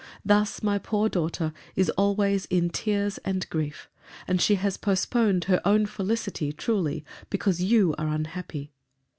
Thus my poor daughter is always in tears and grief. And she has postponed her own felicity, truly, because you are unhappy.